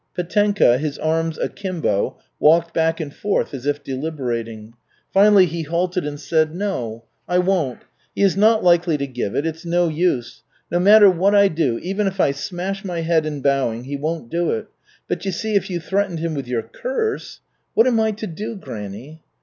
Petenka, his arms akimbo, walked back and forth as if deliberating. Finally he halted and said: "No, I won't. He is not likely to give it it's no use. No matter what I do, even if I smash my head in bowing he won't do it. But you see, if you threatened him with your curse. What am I to do, granny?"